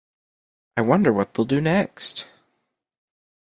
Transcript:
I wonder what they’ll do next!